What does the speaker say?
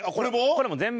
これも全部。